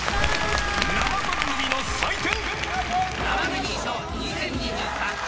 生番組の祭典。